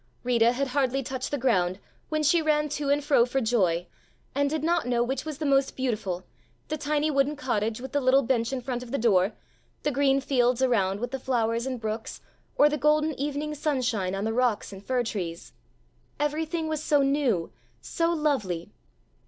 Rita had hardly touched the ground when she ran to and fro for joy, and did not know which was the most beautiful, the tiny wooden cottage with the little bench in front of the door, the green fields around with the flowers and brooks, or the golden evening sunshine on the rocks and fir trees. Everything was so new, so lovely!